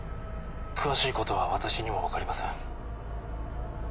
詳しいことは私にも分かりません。